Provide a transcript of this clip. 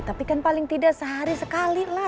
tapi kan paling tidak sehari sekali lah